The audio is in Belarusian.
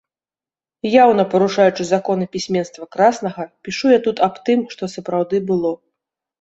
Яўна парушаючы законы пісьменства краснага, пішу я тут аб тым, што сапраўды было.